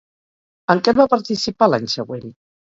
En què va participar l'any següent?